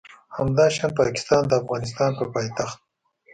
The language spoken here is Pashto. همداشان پاکستان د افغانستان په پایتخت